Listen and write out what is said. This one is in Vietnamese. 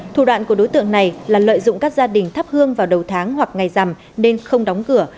thủ đoạn của đối tượng này là lợi dụng các gia đình thắp hương vào đầu tháng hoặc ngày rằm nên không đóng cửa